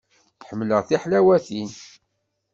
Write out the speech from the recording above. Ḥemmleɣ tiḥlawatin.